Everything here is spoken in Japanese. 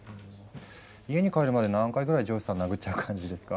家に帰るまで何回ぐらい上司さん殴っちゃう感じですか？